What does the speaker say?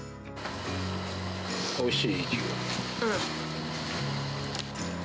おいしい？